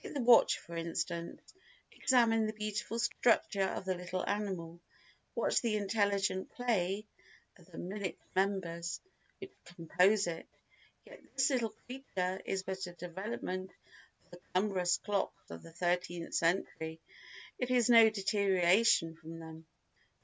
Take the watch for instance. Examine the beautiful structure of the little animal, watch the intelligent play of the minute members which compose it; yet this little creature is but a development of the cumbrous clocks of the thirteenth century—it is no deterioration from them.